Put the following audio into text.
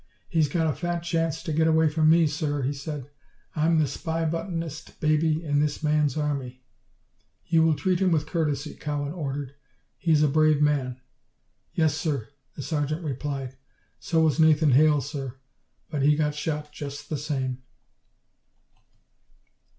"He's got a fat chance to get away from me, sir," he said. "I'm the spy bustin'est baby in this man's army." "You will treat him with courtesy," Cowan ordered. "He is a brave man." "Yes, sir," the sergeant replied. "So was Nathan Hale, sir but he got shot just the same."